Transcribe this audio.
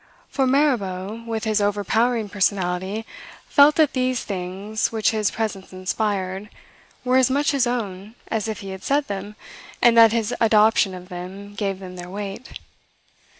For Mirabeau, with his overpowering personality, felt that these things, which his presence inspired, were as much his own, as if he had said them, and that his adoption of them gave them their weight.